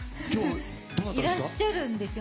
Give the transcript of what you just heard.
いらっしゃるんですよ。